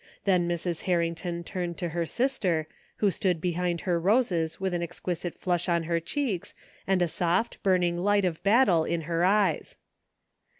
Then Mrs. Harrington turned to her sister, who stood behind her roses with an exquisite flush on her cheeks and a soft, burning light of battle in her eyes.